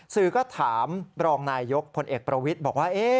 สื่อก็ถามรองนายยกพลเอกประวิทย์บอกว่า